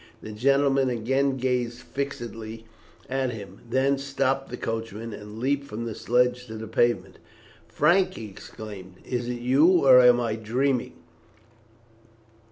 The gentleman again gazed fixedly at him, then stopped the coachman, and leaped from the sledge to the pavement. "Frank!" he exclaimed, "is it you, or am I dreaming?"